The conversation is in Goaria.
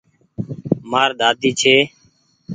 مآر ۮاۮي ڇي۔